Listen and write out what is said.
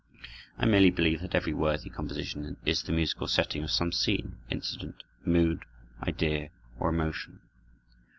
I merely believe that every worthy composition is the musical setting of some scene, incident, mood, idea, or emotion.